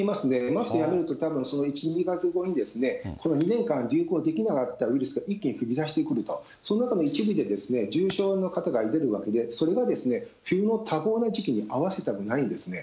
マスクやめると、たぶんその１、２か月後にこの２年間、流行できなかったウイルスが一気に飛び出してくると、その中の一部で重症の方が出るわけで、それは冬の多忙な時期に合わせたくないんですね。